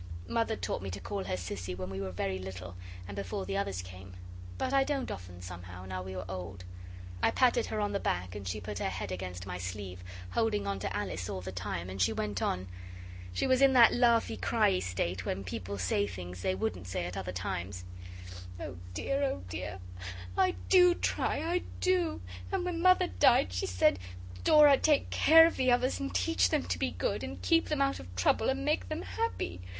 Mother taught me to call her Sissy when we were very little and before the others came, but I don't often somehow, now we are old. I patted her on the back, and she put her head against my sleeve, holding on to Alice all the time, and she went on. She was in that laughy cryey state when people say things they wouldn't say at other times. 'Oh dear, oh dear I do try, I do. And when Mother died she said, "Dora, take care of the others, and teach them to be good, and keep them out of trouble and make them happy."